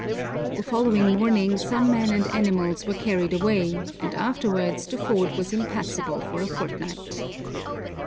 The following morning some men and animals were carried away, and afterwards the ford was impassable for a fortnight.